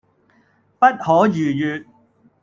不可逾越